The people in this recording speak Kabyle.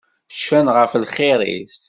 Cfan ɣef lxiṛ-is.